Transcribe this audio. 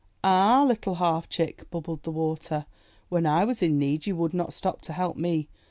''Ah, Little Half Chick," bubbled the Water, *'when I was in need, you would not stop to help me.